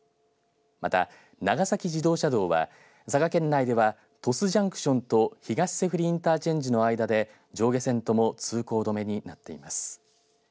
また長崎自動車道は佐賀県内では鳥栖ジャンクションと東脊振インターチェンジの間で上下線とも通行止めになっています。